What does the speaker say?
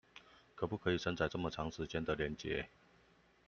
可不可以承載這麼長時間的連結